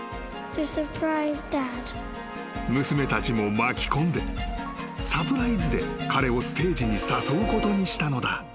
［娘たちも巻き込んでサプライズで彼をステージに誘うことにしたのだ］